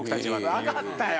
わかったよ。